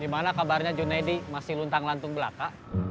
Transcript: dimana kabarnya junedi masih luntang lantung belaka